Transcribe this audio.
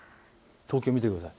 東京を見てください。